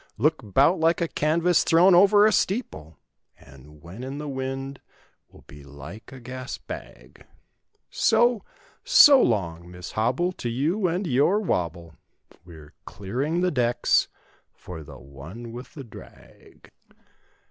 "Look 'bout like a canvas thrown over a steeple, "And when in the wind will be like a gas bag!" So, so long, Miss Hobble, to you and your "wob¬ ble"— We're clearing the decks for the one with the drag.